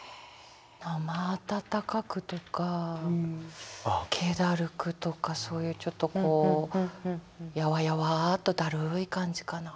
「生温かく」とか「気だるく」とかそういうちょっとこうやわやわっとだるい感じかな。